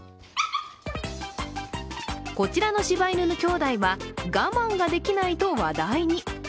こちらのしば犬のきょうだいは我慢ができないと話題に。